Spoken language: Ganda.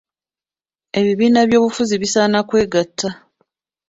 Ebibiina by’ebyobufuzi bisaana kwegatta.